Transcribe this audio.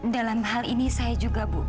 dalam hal ini saya juga bu